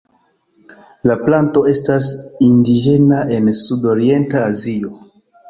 La planto estas indiĝena en sud-orienta Azio.